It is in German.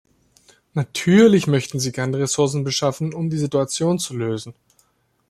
Natürlich möchten Sie gern die Ressourcen beschaffen, um die Situation zu lösen.